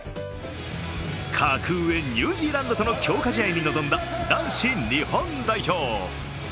格上ニュージーランドとの強化試合に臨んだ男子日本代表。